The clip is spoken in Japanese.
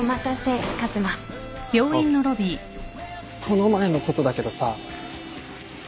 この前のことだけどさ